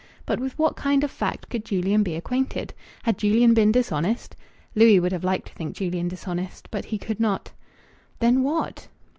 But with what kind of fact could Julian be acquainted?... Had Julian been dishonest? Louis would have liked to think Julian dishonest, but he could not. Then what